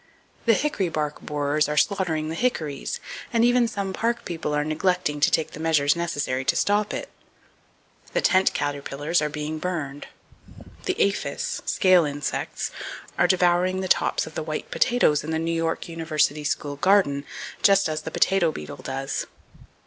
The hickory bark borers are slaughtering the hickories; and even some park people are neglecting to take the measures necessary to stop it! The tent caterpillars are being burned. The aphis (scale insects) are devouring the tops of the white potatoes in the New York University school garden, just as the potato beetle does.